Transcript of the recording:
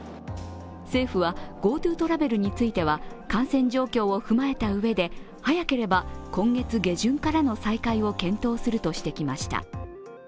政府はＧｏＴｏトラベルについては感染状況を踏まえたうえで早ければ今月下旬からの再開を検討するとしてきました。